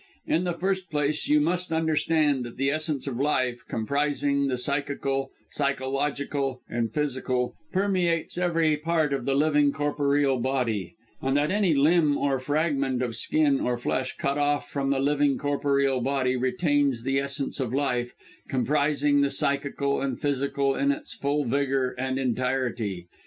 "In the first place, you must understand that the essence of life, comprising the psychical, psychological and physical, permeates every part of the living corporeal body and that any limb, or fragment of skin or flesh, cut off from the living corporeal body, retains the essence of life, comprising the psychical and physical in its full vigour and entirety.